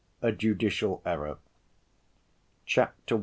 A Judicial Error Chapter I.